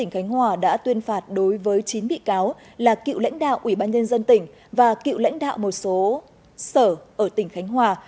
khánh hòa đã tuyên phạt đối với chín bị cáo là cựu lãnh đạo ủy ban nhân dân tỉnh và cựu lãnh đạo một số sở ở tỉnh khánh hòa